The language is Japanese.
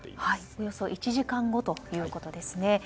およそ１時間後ということですね。